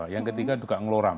yang ketiga juga ngeloram